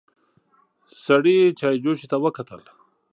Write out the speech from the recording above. سړي چايجوشې ته وکتل.